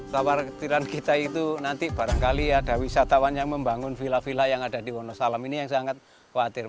tawar ketiran kita itu nanti barangkali ada wisatawan yang membangun villa villa yang ada di wonosalam ini yang sangat khawatir